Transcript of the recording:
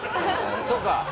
そうか！